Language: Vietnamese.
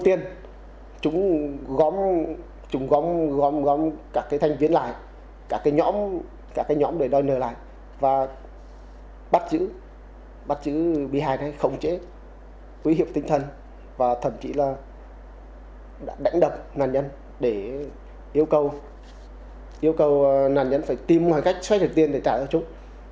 yêu cầu nạn nhân phải tìm một cách xoay thật tiên để trả cho chúng